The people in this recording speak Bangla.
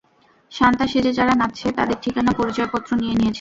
সান্তা সেজে যারা নাচছে, তাদের ঠিকানা, পরিচয় পত্র নিয়ে নিয়েছ?